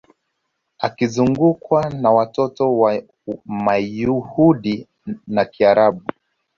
Akizungukwa na watoto wa Mayahudi na Kiarabu